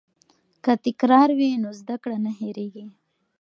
که تکرار وي نو زده کړه نه هېریږي.